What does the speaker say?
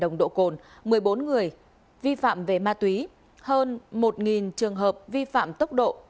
nồng độ cồn một mươi bốn người vi phạm về ma túy hơn một trường hợp vi phạm tốc độ